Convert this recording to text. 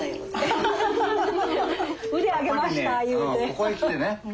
ここへ来てね